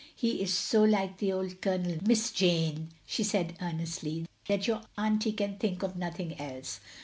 "He is so like the old Colonel, Miss Jane," she said, earnestly, "that your auntie can think of ooihing else.